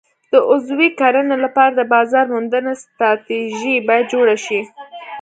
د عضوي کرنې لپاره د بازار موندنې ستراتیژي باید جوړه شي.